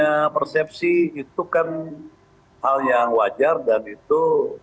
ya persepsi itu kan hal yang wajar dan itu